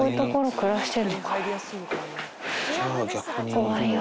怖いよ。